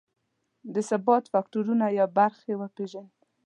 د ثبات فکټورونه یا برخې وپېژني.